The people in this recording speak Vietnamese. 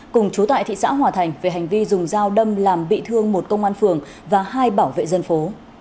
cùng chú tại thị xã hòa thành về hành vi dùng dao đâm làm bị thương một công an phường và hai bảo vệ dân phố